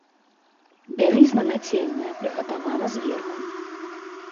Бялізна нацельная прыгатавана зверху.